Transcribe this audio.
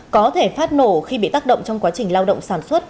có thể phát nổ khi bị tác động trong quá trình lao động sản xuất